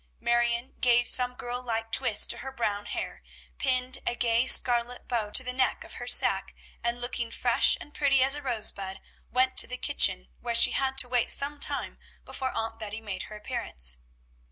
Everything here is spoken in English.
Marion gave some girl like twists to her brown hair, pinned a gay scarlet bow to the neck of her sack, and, looking fresh and pretty as a rosebud, went to the kitchen, where she had to wait some time before Aunt Betty made her appearance.